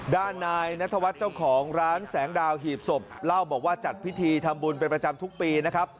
ด้านนายนัทวัฒน์เจ้าของร้านแสงดาวหีบศพเล่าบอกว่าจัดพิธีทำบุญเป็นประจำทุกปีนะครับ